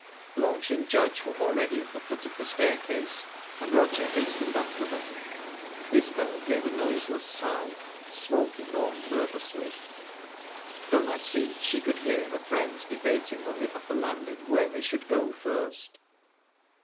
Blanche and Judge were already at the foot of the staircase, and Roger hastened after them. Isbel gave a noiseless sigh, smoking on nervously. From her seat she could hear her friends debating on the upper landing where they should go first.